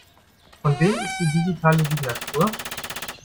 Von wem ist die digitale Signatur?